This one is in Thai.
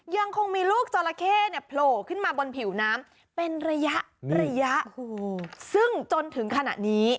ยังคงมีลูกจราเข้เนี่ยโผล่ขึ้นมาบนผิวน้ำเป็นระยะระยะซึ่งจนถึงขณะนี้